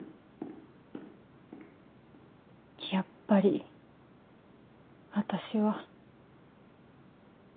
やっぱり私は。